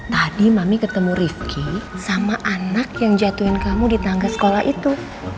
tadi mami ketemu rifki sama anak yang jatuhin kamu di tangga sekolah itu